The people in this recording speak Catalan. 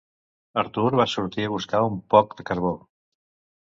Artur va sortir a buscar un poc de carbó.